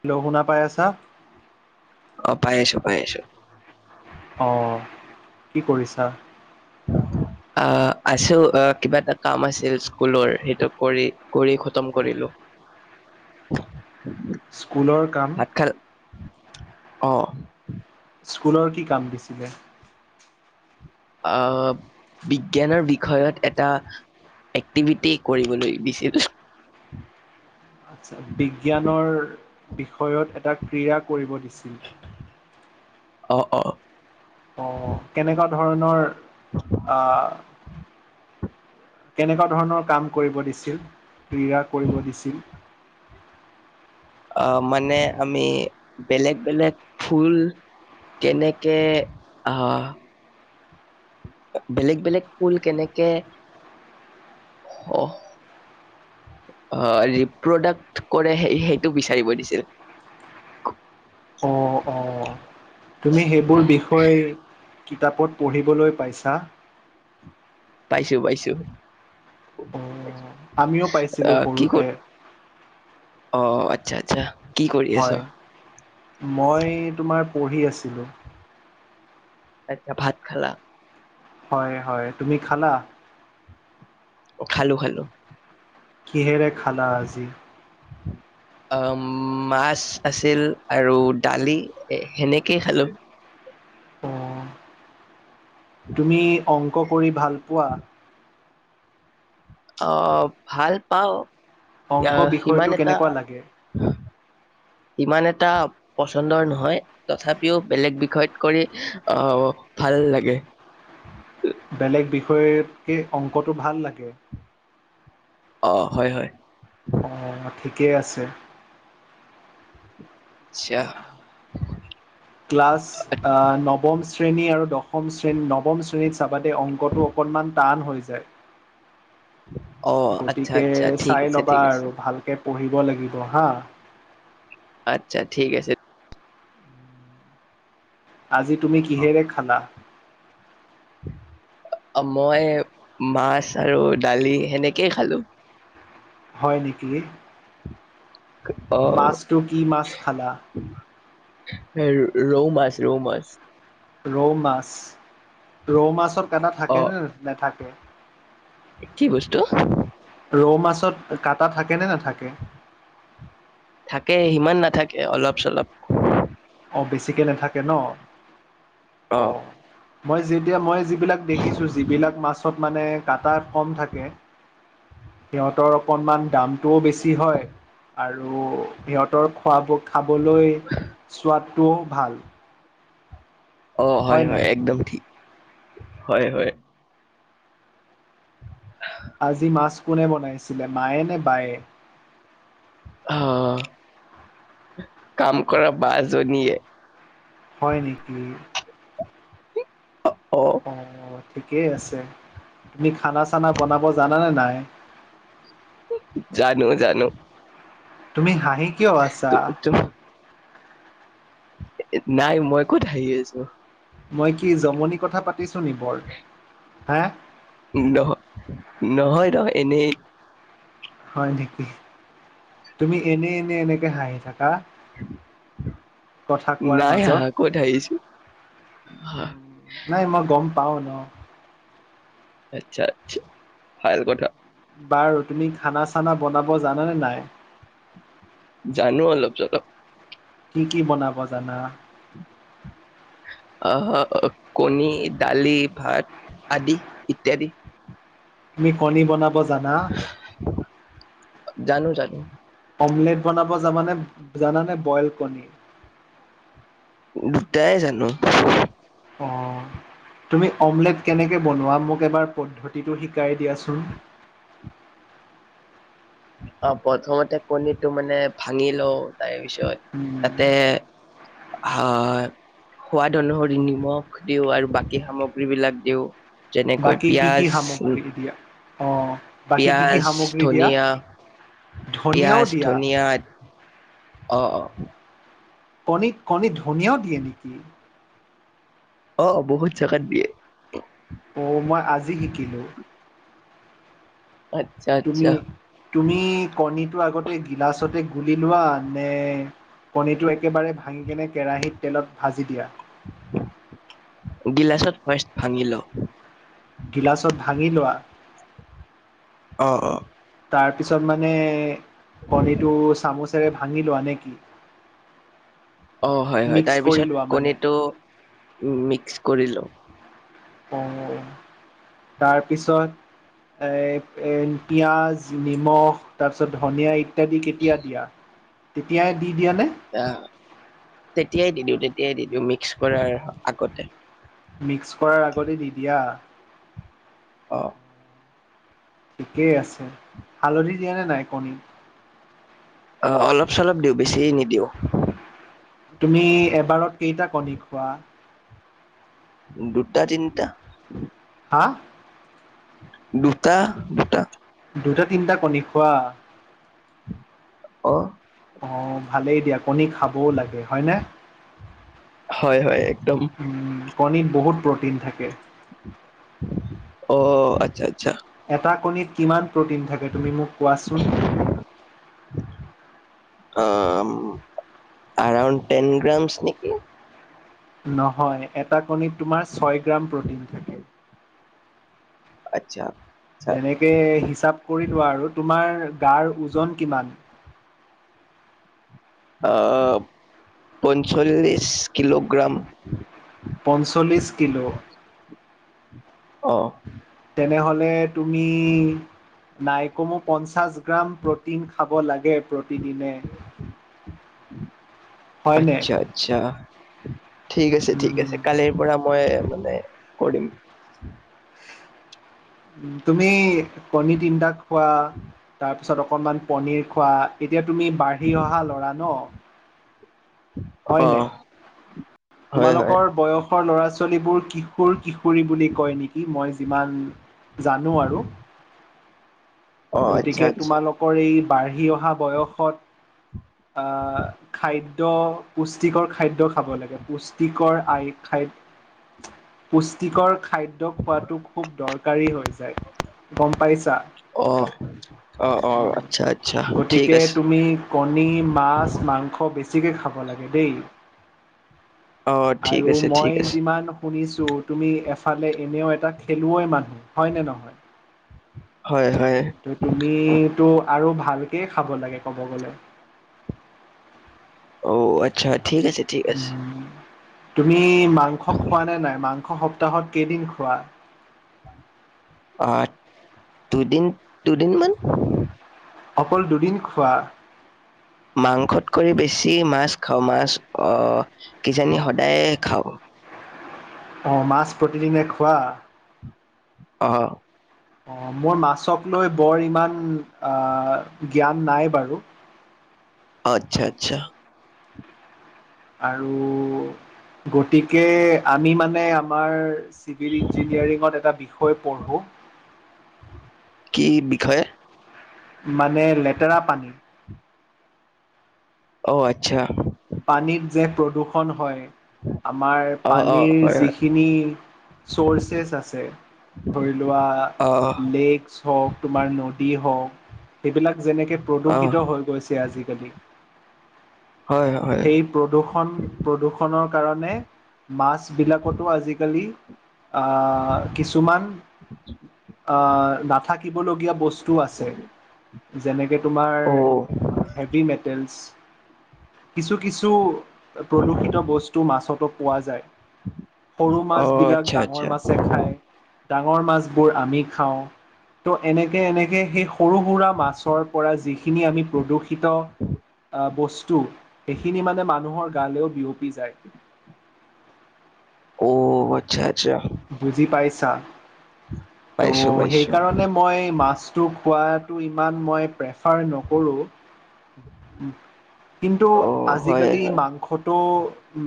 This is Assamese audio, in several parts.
হেলৌ' শুনা পাই আছা অ পাই আছো পাই আছো অঁ কি কৰিছা আ আছো অ কিবা এটা কাম আছিল স্কুলৰ সেইটো কৰি কৰি খতম কৰিলো [unintelligible] স্কুলৰ কাম ভাত খাল অ স্কুলৰ কি কাম দিছিলে আহ বিজ্ঞানৰ বিষয়ত এটা এক্টিভিটি কৰিবলৈ দিছিল আচ্ছা বিজ্ঞানৰ বিষয়ত এটা ক্ৰিয়া কৰিব দিছে। অ অ, অ কেনেকুৱা ধৰণৰ আহ, কেনেকুৱা ধৰণৰ কাম কৰিব দিছিল ক্ৰীড়া কৰিব দিছিল। [inaudible] আহ মানে আমি বেলেগ বেলেগ ফুল। কেনেকে আহ, বেলেগ বেলেগ ফুল কেনেকে, অহ। অ ৰিপ্ৰডাক্ট কৰে সেই সেইটো বিচাৰিব দিছিল। অ অ। তুমি সেইবোৰ বিষয় কিতাপত পঢ়িবলৈ পাইছা? পাইছো পাইছো। অঁ আমিও পাইছিলো আহ কি কৰ সৰুতে। অ আচ্ছা আচ্ছা। কি কৰি আছ হয়, মই তোমাৰ পঢ়ি আছিলোঁ। আচ্ছা ভাত খালা? হয় হয়, তুমি খালা? অ খালো খালো। কিহেৰে খালা আজি? অ মাছ আছিল আৰু দালি সেনেকেই খালো। অ', তুমি অংক কৰি ভাল পোৱা? অ ভাল পাওঁ। অংক আহ সিমান বিষয়টো এটা কেনেকুৱা লাগে? ইমান এটা পচন্দৰ নহয় তথাপিও বেলেগ বিষয়ত কৰি আহ ভাল লাগে। [inaudible] তকে অংকটো ভাল লাগে? অ হয় হয়। অ ঠিকেই আছে। আচ্ [unintelligible] ক্লাছ আ নৱম শ্ৰেণী আৰু দশম শ্ৰেণী নৱম শ্ৰে চাবা দেই অংকটো অকনমান টান হৈ যায় অ আচ্ছা গতিকে আচ্ছা ঠিক চাই আছে ল'বা ঠিক আছে আৰু ভালকে পঢ়িব লাগিব হা আচ্ছা ঠিক আছে আজি তুমি অ কিহেৰে খালা [inaudible] মই মাছ আৰু দালি সেনেকেই খালো হয় নেকি অ মাছটো কি মাছ খালা এ ৰৌ মাছ ৰৌ মাছ ৰৌ মাছ ৰৌ মাছৰ কানা অ থাকে নে নেথাকে কি বস্তু ৰৌ মাছত কাটা থাক থাকে সিমান নাথাকে অলপ চলপ অ বেছিকে নাথাকে ন অ মই যেতিয়া মই যিবিলাক দেখিছো যিবিলাক মাছত মানে কাটা কম থাকে সিহঁতৰ অকনমান দাম টো বেছি হয় আৰু সিহঁতৰ খোৱাব খাবলৈ চোৱাদটোও ভাল অ' হয়, হয়। একদম ঠিক হয় হয় আজি মাছ কোনে বনাইছিলে মায়ে নে বায়ে। হা কাম কৰা বা জনীয়ে। হয় নেকি? অ অ ঠিকেই আছে। তুমি খানা চানা বনাব জানানে নাই। জানো। জানো। তুমি হাঁহি কিয় আছা? তু- তু- নাই মই ক'ত হাঁহি আছো। মই কি জমনি নহ নহয় নহয় এনেই। হয় নেকি? তুমি এনে এনে এনেকে হাঁহি থাকা। কথা কোৱাৰ নাই মাজত হাঁহা ক'ত হাঁহিছো আহ, নাই মই গ'ম পাওঁ ন। আচ্ছা আচ্ছা ভাল কথা। বাৰু তুমি খানা চানা বনাব জানানে নাই? জানো অলপ চলপ। কি কি বনাব জানা। আহ কণী, দালি, ভাত আদি ইত্যাদি। তুমি কণী বনাব জানা। জানো জানো। অমলেট বনাব জানানে? বইল কণী দুটাই জানো। অ'। তুমি অমলেট কেনেকে বনোৱা। মোক এবাৰ পদ্ধতিটো শিকাই দিয়া চোন [unintelligible] অ প্ৰথমতে কণীটো মানে ভাঙি লও তাৰ পিছত উম, তাতে, আহ সোৱাদ অনুসৰি নিমখ দিওঁ আৰু বাকী সামগ্ৰী বিলাক দিওঁ। যেনেকৈ বাকী কি কি পিঁয়াজ, সামগ্ৰী দিয়া? অ', বাকী কি কি পি‌য়াজ, সামগ্ৰী দিয়া? ধনিয়া। ধনিয়াও পিয়াজ, দিয়া? ধনিয়া আদি অ' অ'। কণী কণী ধনিয়াও দিয়ে নেকি? অ বহুত জেগাত দিয়ে। অ' মই আজি শিকিলোঁ আচ্ছা তুমি আচ্ছা তুমি কণিত আগতে গিলাচতে গুলি লোৱা নে কণীটো এক একেবাৰে ভাঙিকেনে কেৰাহীত তেলত ভাজি দিয়া। গিলাচত ফাৰ্ষ্ট ভাঙিলো গিলাচত ভাঙি লোৱা অ' অ'। তাৰপিছত মানে কণীটো চামুচেৰে ভাঙি লোৱা নে কি? অ', হয় হয়, মিক্স কৰি লোৱা তাৰপিছত মানে কণীটো মিক্স কৰিলো। অ', তাৰপিছত খাই এ, পিয়াজ, নিমখ, তাৰপিছত ধনিয়া ই দি কেতিয়া দিয়া, তেতিয়াই দি দিয়া নে? অ', তেতিয়াই দি দিওঁ তেতিয়াই দি দিওঁ, মিক্স কৰাৰ আগতে। মিক্স কৰাৰ আগতে দি দিয়া। অ ঠিকেই আছে, হালধি দিয়া নে নাই কণীত? অ' অলপ চলপ দিওঁ বেছি নিদিওঁ। তুমি এবাৰত কেইটা কণী খোৱা। দুটা তিনটা। হাঁ। দুটা- দুটা। দুটা তিনিটা কণী খোৱা। অ'। অ' ভালেই দিয়া কণী খাবও লাগে হয়নে। হয়- হয় একদম। উম, কণীত বহুত প্ৰ'টিন থাকে। অ' আচ্ছা- আ এটা কণীত কিমান প্ৰ'টিন থাকে তুমি মোক কোৱাচোন। অ' এৰাউণ্ড টেন গ্ৰামছ নেকি। নহয় এটা কণীত তোমাৰ ছয় গ্ৰাম প্ৰ'টিন থাকে। আত্ছা। তেনেকে হিচাপ কৰি লোৱা আৰু তোমাৰ গাৰ ওজন কিমান। আ পঞ্চল্লিশ কিলোগ্ৰাম। পঞ্চল্লিছ কিলো। অ'। তেনেহ'লে তুমি নাই কমেও পঞ্চাছ গ্ৰাম প্ৰ'টিন খাব লাগে প্ৰতিদিনে। হয়নে? আচ্ছা- আচছা ঠিক আছে- ঠিক আছে উম। কালিৰ পৰা মই মানে কৰিম। উম, তুমি কণী তিনিটা খোৱা তাৰ তাৰপিছত অকণমান পনিৰ খোৱা এতিয়া তুমি বাঢ়ি অহা ল'ৰা ন। অ হয়নে, হয় হয় তোমালোকৰ বয়সৰ ল'ৰা ছোৱালীবোৰ কিশোৰ- কিশোৰ [unintelligible] বুলি কয় নিকি, মই যিমান জানো আৰু। অ আচ্ছা গতিকে আচ্ছা তোমালোকৰ এই বাঢ়ি অহা বয়সত আহ খাদ্য পুষ্টিকৰ খাদ্ খাদ্য খাব লাগে পুষ্টিকৰ আয় খাই পুষ্টিকৰ খাদ্য খোৱাটো খুব দৰকাৰী হৈ যায়। গম পাইছা। [inaudible] উম, আচ্ছা আচ্ছা ঠিক গতিকে আছে তুমি কণী, মাছ, মাংস বেছ বেছিকে খাব লাগে দেই। অ ঠিক আৰু আছে মই ঠিক আছে যিমান শুনিছো তুমি এফ ফালে এনেও এটা খেলুৱৈ মানুহ হয় নে নহয়। হয় হয় ত' তুমিটো আৰু ভা ভালকেই খাব লাগে ক'ব গ'লে। অ', আচ্ছা ঠিক আছে- ঠিক আছে। উম, তুমি মাংস খোৱা নে নাই মাংস সপ্তাহত কেইদিন খোৱা। আ দুদিন দুদিনমান। অকল দুদিন খোৱা। মাংসতকৈ বেছি মাছ খাওঁ মাছ অ কিজানি সদায়ে খাওঁ। অ' মাছ প্ৰতিদিনে খোৱা। অ'। অ' মোৰ মাছক লৈ বৰ ইমান আ জ্ঞান নাই বাৰু। আচ্ছা-আচ্ছা। আৰু গতিকে আমি মানে আমাৰ চিভিল ইঞ্জিনিয়াৰিঙত এটা বিষয় পঢ়োঁ। হয়য়ে। মানে লেতেৰা পানী। অ আচ্ছা। পানীত যে প্ৰদূষণ হয় আমাৰ অ অ পানীৰ হয় হয় যিখিনি। চৰ্চছে আছে। ধৰি লোৱা অহ লেকচ হওক তোমাৰ নদী হওঁক। সেইবিলাক যেনেকে অহ প্ৰদূষিত হৈ গৈছে আজিকালি। হয় হয় সেই প্ৰদূৰ্ষণ প্ৰদূ্ষণ কাৰণে মাছ বিলাকতো আজিকালি। আহ কিছুমান আহ নাথাকিবলগীয়া বস্তু। টো আছে যেনেকৈ তোমাৰ অ হেভি মেটেলেছ। কিছু কিছু প্ৰদূষিত বস্তু মাছতো পোৱা যায়। সৰু মাছ অ বিলাক আচ্ছা ডাঙৰ আচ্ছা মাছে খায়। ডাঙৰ মাছবোৰ আমি খাওঁ। ত' এনেকে এনেকে সেই সৰু সুৰা মাছৰ পৰা যিখিনি আমি প্ৰদূষিত। বস্তু সেখিনি মানে মানুহৰ গালেও বিয়পি যায়। অ আচ্ছা। আচ্ছা বুজি পাইছা। ত' পাইছো সেই পাইছো কাৰণে মই মাছটো খোৱাটো ইমান মই প্ৰে। চাৰ নকৰো উ। কিন্তু অ হয় আজিকালি মাংসটো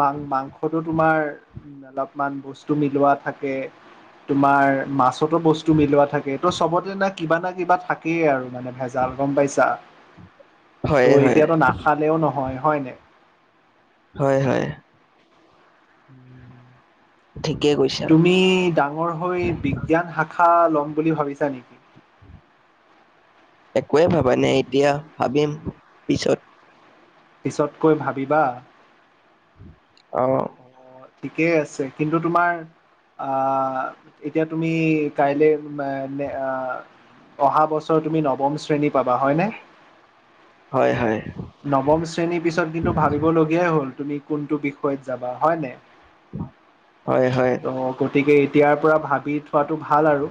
মা মাংসটো তোমাৰ। উ অলপমান বস্তু মিলোৱা থাকে তোমাৰ মাছ। কতো বস্তু মিলোৱা থাকে ত' চবতে না কিবা না কিবা থাকেই আৰু মানে ভেজাল গম পাইছা। হয় ত' হয় এতিয়াতো নাখালেও নহয় হয় নে। হয়, হয়। [unintelligible] ঠিকেই কৈছা তুমি ডাঙৰ হৈ বিজ্ঞান শাখা লম বুলি ভাবিছা নেকি? [unintelligible] একোৱে ভাবা নাই এতিয়া ভাবিম পিছত। পিছতকৈ ভাবিবা। আহ। অ ঠিকেই আছে কিন্তু তোমাৰ। আহ এতিয়া তুমি কাইলে আহ। অহা বছৰ তুমি নৱম শ্ৰেণীত। হয়, হয়। নৱম শ্ৰেণীৰ পিছত কিন্তু ভাবিবলগীয়াই হ'ল তুমি কোনটো বিষয়ত যাবা হয় নে। হয়, হয়। গতিকে এতিয়াৰ পৰা ভাবি থোৱাতটো ভাল আৰু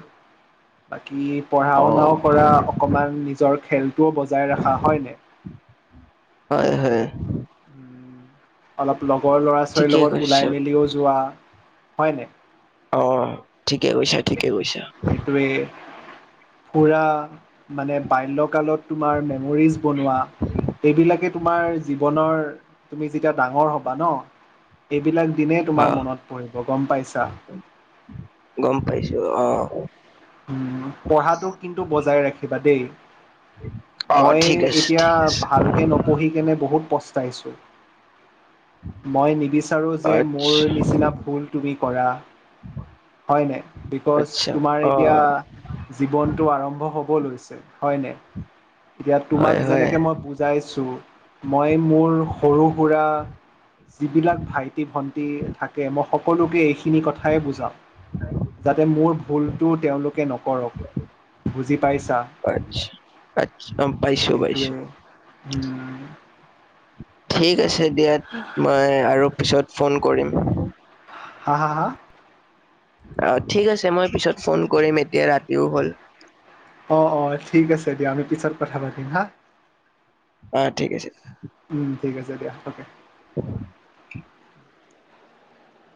বাকী। পঢ়া অ শুনাও কৰা অকমান নিজৰ খেলটোও বজাই ৰখা হয়নে। হয়। হয়। উম, অলপ লগৰ ল'ৰা ছোৱালীৰ ঠিকে লগত কৈছা ওলাই মেলিও যোৱা হয়নে। অ ঠিকে গৈছে, ঠিকে গৈছে। ফুৰা মানে বাল্যকালত তোমাৰ মেমৰিজ বনোৱা। এইবিলাকে তোমাৰ জীৱনৰ তুমি যেতিয়া ডাঙৰ হ'বা ন এইবিলাক। দিনেই অ তোমাৰ মনত পৰিব গম পাইছা। গম পাইছো অ উম পঢ়াটো কিন্তু বজাই ৰাখিবা দেই। অ' মই ঠিক আছে, এতিয়া ঠিক আছে। ভালকে নপঢ়ি কেনে বহুত পচ। তাইছোঁ। মই নিবিচাৰোঁ যে মোৰ আচ্ছা, নিচিনা ভুল তুমি কৰা। হয় নে বিকজ আচ্ছা তোমাৰ এতিয়া অ' জীৱনটো আৰম্ভ হ'ব লৈছে হয় নে। এতিয়া তোমাক হয়, হয় যেনেকে মই বুজাইছো মই মোৰ সৰু সুৰা যিবিলাক ভাইটি ভন্টি থাকে মই সকলোকে এইখিনি কথাই বুজাও। যাতে মোৰ ভুলটো তেওঁলোকে নকৰক, বুজি পাইছ আচছা, আটছ অ', পাইছো- সেইটোৱে পাইছো। উম, ঠিক আছে দিয়া মই আৰু পিছত ফোন কৰিম। হা হা- হা। অ ঠিক আছে মই পিছত ফোন কৰিম এতিয়া ৰাতিও হ'ল। অ'- অ' ঠিক আছে দিয়া আমি পিছত কথা পাতিম হা। অ', ঠিক আছে। উম, ঠিক আছে দিয়া অ'কে। [inaudible]